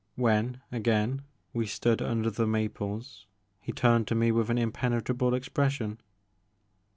When again we stood under the maples, he turned to me with an impenetrable expression.